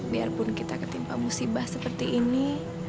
biarpun kita ketimpa musibah seperti ini